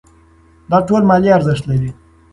دا ټول مالي ارزښت لري.